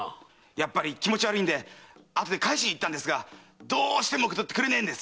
やっぱり気持ち悪いんであとで返しに行ったんですがどうしても受け取ってくれねえ。